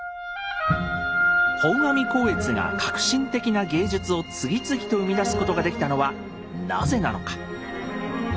本阿弥光悦が革新的な芸術を次々と生み出すことができたのはなぜなのか。